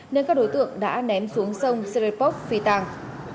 nên các đối tượng đã ném xuống sông serepok phi tàng